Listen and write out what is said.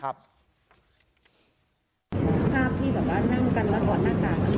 ภาพที่แบบว่านั่งกันแล้วถอดหน้ากาก